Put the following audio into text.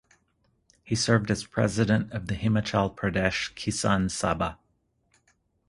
He served as president of the Himachal Pradesh Kisan Sabha.